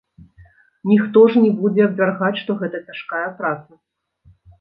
Ніхто ж не будзе абвяргаць, што гэта цяжкая праца.